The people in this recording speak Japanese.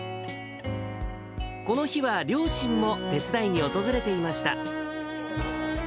この日は両親も手伝いに訪れていました。